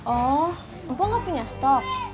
oh gue gak punya stok